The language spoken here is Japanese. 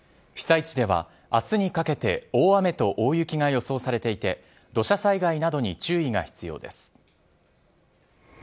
被災地では、明日にかけて大雨と大雪が予想されていて土砂災害などに注意が必要です。